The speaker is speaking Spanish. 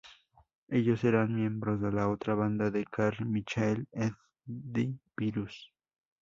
Ellos eran miembros de la otra banda de Carl-Michael Eide "Virus".